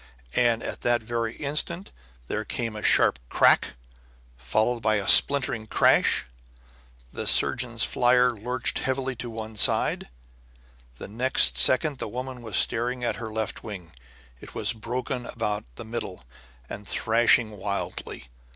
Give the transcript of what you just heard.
And at that very instant there came a sharp crack, followed by a splintering crash. The surgeon's flier lurched heavily to one side. Next second the woman was staring at her left wing. It was broken about the middle and thrashing wildly.